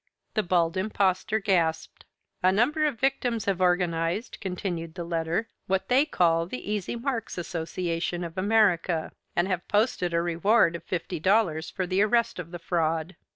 The Bald Impostor gasped. "A number of victims have organized," continued the letter, "what they call the Easy Marks' Association of America and have posted a reward of fifty dollars for the arrest of the fraud."